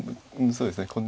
そうですね